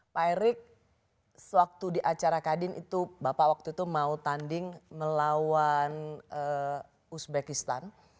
pak erik sewaktu di acara kadin itu bapak waktu itu mau tanding melawan uzbekistan